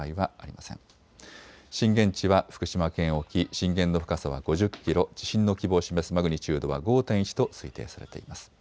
震源地は福島県沖、震源の深さは５０キロ、地震の規模を示すマグニチュードは５．１と推定されています。